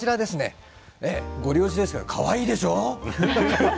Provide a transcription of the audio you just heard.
ごり押しですけれどかわいらしいでしょう？